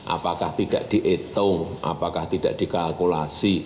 apakah tidak dihitung apakah tidak dikalkulasi